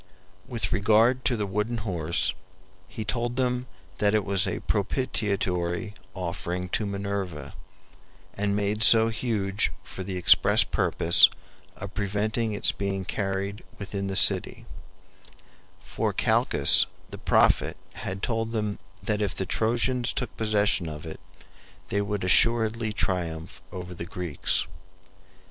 With regard to the wooden horse, he told them that it was a propitiatory offering to Minerva, and made so huge for the express purpose of preventing its being carried within the city; for Calchas the prophet had told them that if the Trojans took possession of it they would assuredly triumph over the Greeks.